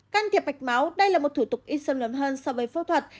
can thiệp mạch máu đây là một thủ tục ít sân lớn hơn so với phẫu thuật